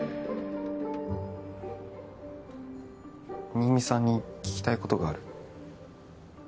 新見さんに聞きたいことがある